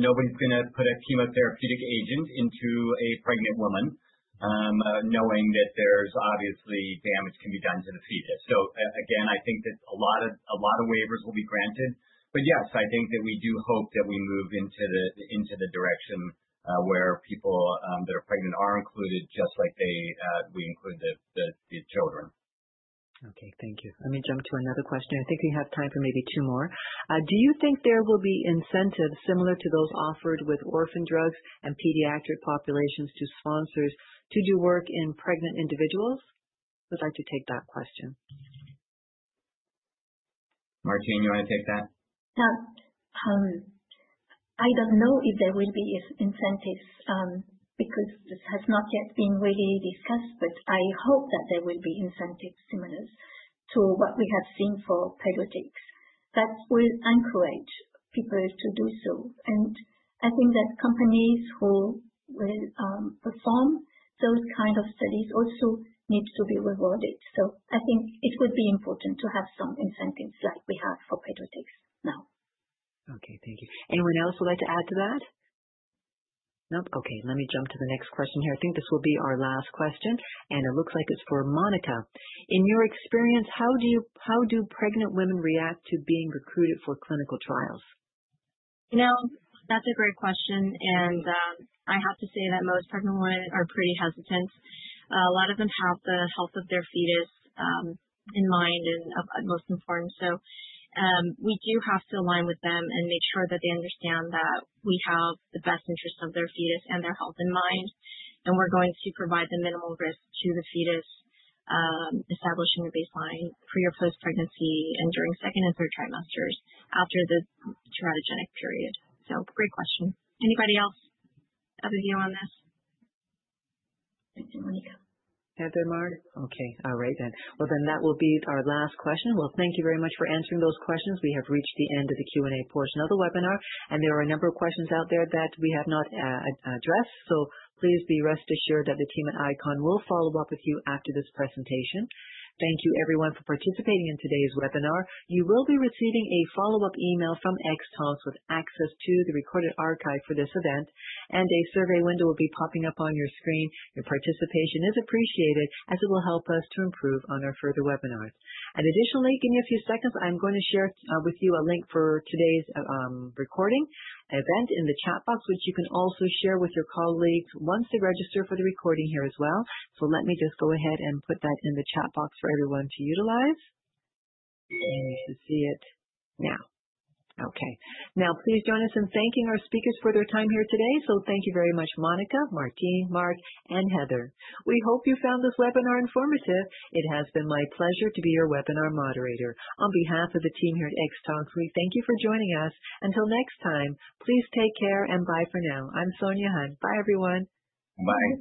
Nobody's going to put a chemotherapeutic agent into a pregnant woman knowing that there's obviously damage can be done to the fetus, so again, I think that a lot of waivers will be granted. But yes, I think that we do hope that we move into the direction where people that are pregnant are included just like we include the children. Okay, thank you. Let me jump to another question. I think we have time for maybe two more. Do you think there will be incentives similar to those offered with orphan drugs and pediatric populations to sponsors to do work in pregnant individuals?" I would like to take that question. Martin, you want to take that? I don't know if there will be incentives because this has not yet been really discussed, but I hope that there will be incentives similar to what we have seen for pediatrics that will encourage people to do so. And I think that companies who will perform those kinds of studies also need to be rewarded. So I think it would be important to have some incentives like we have for pediatrics now. Okay, thank you. Anyone else would like to add to that? Nope? Okay, let me jump to the next question here. I think this will be our last question. And it looks like it's for Monica. In your experience, how do pregnant women react to being recruited for clinical trials?" You know, that's a great question and I have to say that most pregnant women are pretty hesitant. A lot of them have the health of their fetus in mind and most important, so we do have to align with them and make sure that they understand that we have the best interests of their fetus and their health in mind and we're going to provide the minimal risk to the fetus establishing a baseline pre or post-pregnancy and during second and third trimesters after the teratogenic period, so great question. Anybody else? Other view on this? Heather, Mark? Okay, all right then, well, then that will be our last question, well, thank you very much for answering those questions. We have reached the end of the Q&A portion of the webinar, and there are a number of questions out there that we have not addressed. So please be rest assured that the team at ICON will follow up with you after this presentation. Thank you, everyone, for participating in today's webinar. You will be receiving a follow-up email from Xtalks with access to the recorded archive for this event, and a survey window will be popping up on your screen. Your participation is appreciated as it will help us to improve on our further webinars, and additionally, give me a few seconds. I'm going to share with you a link for today's recording event in the chat box, which you can also share with your colleagues once they register for the recording here as well. So let me just go ahead and put that in the chat box for everyone to utilize. And you should see it now. Okay. Now, please join us in thanking our speakers for their time here today. So thank you very much, Monica, Martine, Mark, and Heather. We hope you found this webinar informative. It has been my pleasure to be your webinar moderator. On behalf of the team here at Xtalks, we thank you for joining us. Until next time, please take care and bye for now. I'm Sonya Hunt. Bye, everyone. Bye.